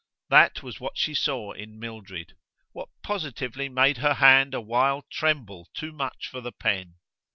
That was what she saw in Mildred what positively made her hand a while tremble too much for the pen.